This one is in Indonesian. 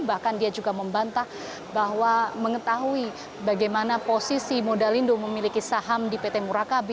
bahkan dia juga membantah bahwa mengetahui bagaimana posisi modalindo memiliki saham di pt murakabi